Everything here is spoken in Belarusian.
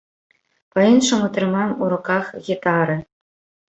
Па-іншаму трымаем у руках гітары.